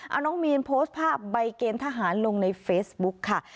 เอาน้องมีนโพสต์ภาพใบเกณฑ์ทหารลงในเฟซบุ๊กค่ะ